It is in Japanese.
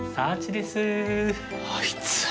あいつ。